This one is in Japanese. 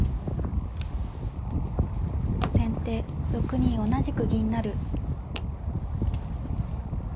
先手６二同じく銀成。